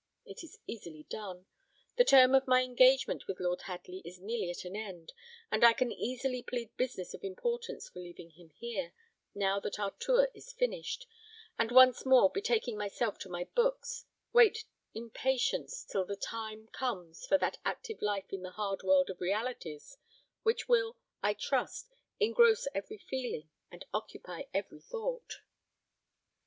It is easily done. The term of my engagement with Lord Hadley is nearly at an end; and I can easily plead business of importance for leaving him here, now that our tour is finished, and once more betaking myself to my books, wait in patience till the time comes for that active life in the hard world of realities, which will, I trust, engross every feeling, and occupy every thought."